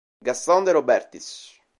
Gastón de Robertis